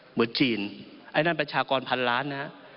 เหมือนจีนไอ้นั่นประชากรพันล้านนะฮะ